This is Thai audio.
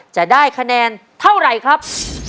จะได้คะแนนเท่าไหร่ครับ